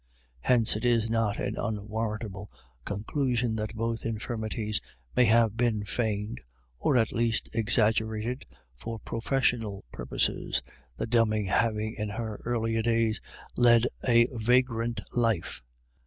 Hence it is not an unwarrant able conclusion that both infirmities may have been feigned, or at least exaggerated, for profes sional purposes, the Dummy having in her earlier days led a vagrant life.